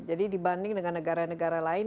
jadi dibanding dengan negara negara lain